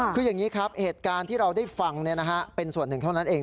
คืออย่างนี้ครับเหตุการณ์ที่เราได้ฟังเป็นส่วนหนึ่งเท่านั้นเอง